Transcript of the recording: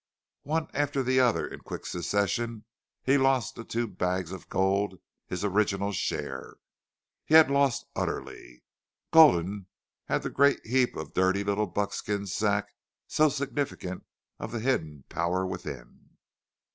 One after the other, in quick succession, he lost the two bags of gold, his original share. He had lost utterly. Gulden had the great heap of dirty little buckskin sacks, so significant of the hidden power within.